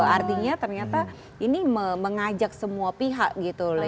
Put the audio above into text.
artinya ternyata ini mengajak semua pihak gitu